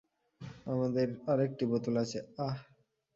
আমাদের আরেকটি বোতল আছে আহ।